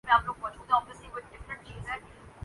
اب وہ محض تجارتی ادارہ نہیں رہا ایک دور میں